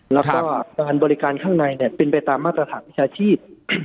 แล้วก็การบริการข้างในเป็นไปตามมาตรฐานวิชาชีพ